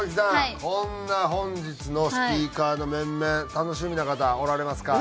こんな本日のスピーカーの面々楽しみな方おられますか？